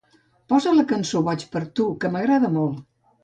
Posa la cançó "Boig per tu", que m'agrada molt